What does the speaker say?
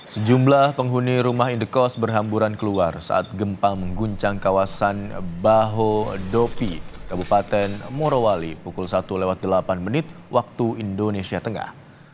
sejumlah penghuni rumah indekos berhamburan keluar saat gempa mengguncang kawasan baho dopi kabupaten morowali pukul satu lewat delapan menit waktu indonesia tengah